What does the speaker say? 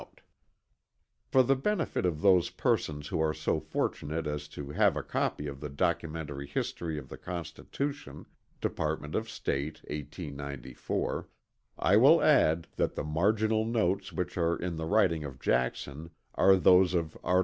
[Footnote 1: For the benefit of those persons who are so fortunate as to have a copy of the Documentary History of the Constitution (Department of State, 1894) I will add that the marginal notes which are in the writing of Jackson are those of Art.